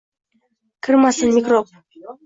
Kirmasin mikrob.